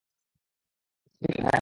অধিকার, হাহ?